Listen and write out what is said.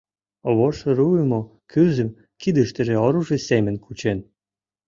Вож руымо кӱзым кидыштыже оружий семын кучен.